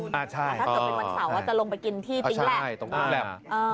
ถ้าเกิดเป็นวันเสาร์จะลงไปกินที่จริงแหละ